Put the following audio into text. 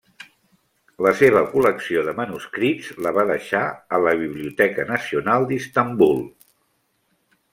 La seva col·lecció de manuscrits la va deixar a la biblioteca nacional d'Istanbul.